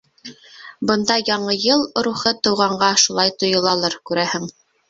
Бында Яңы йыл рухы тыуғанға шулай тойолалыр, күрәһең.